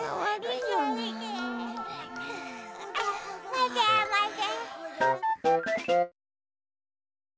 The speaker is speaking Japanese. まてまて。